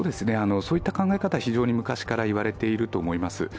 そういう考え方は昔から言われていると思います。